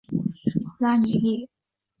拉尼利。